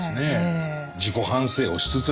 自己反省をしつつね。